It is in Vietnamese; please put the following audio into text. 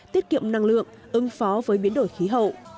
tiết kiệm năng lượng ứng phó với biến đổi khí hậu